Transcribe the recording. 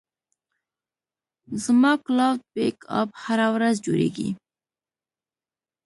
زما کلاوډ بیک اپ هره ورځ جوړېږي.